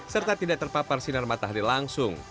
serta tidak terpapar sinar matahari langsung